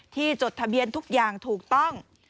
จดทะเบียนทุกอย่างถูกต้อง